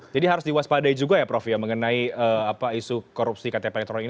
jadi harus diwaspadai juga ya prof ya mengenai isu korupsi ktp ektron ini